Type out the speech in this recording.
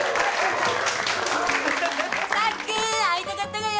サクくん会いたかったがよ！